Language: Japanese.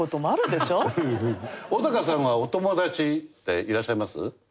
小高さんはお友達っていらっしゃいます？